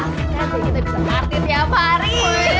asik aja kita bisa party tiap hari